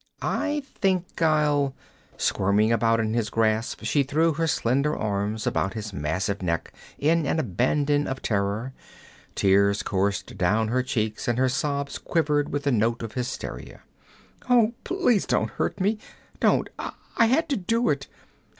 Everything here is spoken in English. I think I'll ' Squirming about in his grasp she threw her slender arms about his massive neck in an abandon of terror; tears coursed down her cheeks, and her sobs quivered with a note of hysteria. 'Oh, please don't hurt me! Don't! I had to do it!